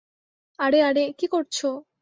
আরে, আরে, কী করছো?